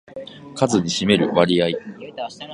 数に占める割合